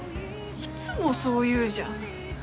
いつもそう言うじゃん